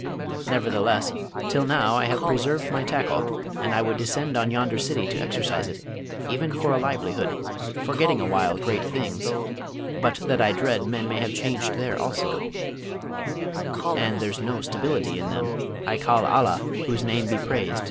Nevertheless till now I have preserved my tackle, and I would descend on yonder city to exercise it, even for a livelihood, forgetting awhile great things, but that I dread men may have changed there also, and there's no stability in them, I call Allah (whose name be praised!)